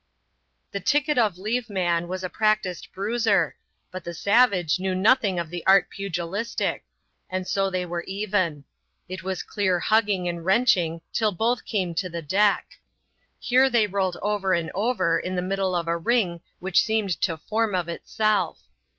The Ticket of Leave Man was a practised bruiser ; but the savage knew nothing of the art pugilistic : and so they were even. It was clear hugging and wrenching till both came to the deck. Here they rolled over and over in the middle of a ring which seemed to form of itself.